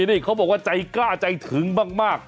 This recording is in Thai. นี่เขาบอกว่าใจกล้าใจถึงมาก